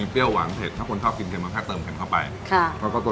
เปรี้ยวหวานเผ็ดถ้าคนชอบกินเผ็ดหรือเปล่าถ้าต่อเผ็ดเข้าไป